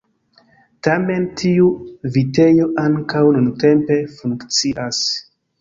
Tamen tiu vitejo ankaŭ nuntempe funkcias.